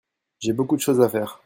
J'ai beaucoup de choses à faire.